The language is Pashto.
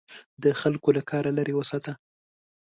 د خلکو له کاره لیرې وساته.